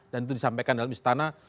dan itu disampaikan dalam istana